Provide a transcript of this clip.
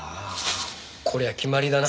こりゃ決まりだな。